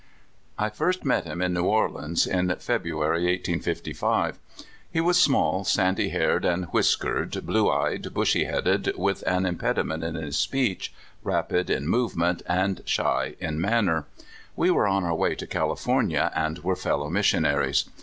1 FIRST met him in New Orleans, in Febru ary, 1855. He was small, sandy haired and whiskered, blue eyed, bushy headed, with an impediment in his speech, rapid in movement, and sh}^ in manner. We were on our way to California, and were fellow missionaries.